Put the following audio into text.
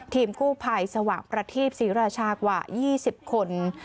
ทีมกู้ภัยสว่างประทีปศรีราชากว่า๒๐คน